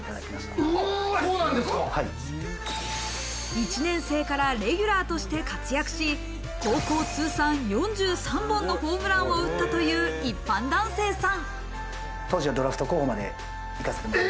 １年生からレギュラーとして活躍し、高校通算４３本のホームランを打ったという一般男性さん。